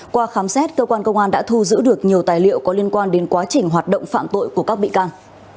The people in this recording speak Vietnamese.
qua khám xét cơ quan công an đã thu giữ được nhiều tài liệu có liên quan đến quá trình hoạt động phạm tội của các bị can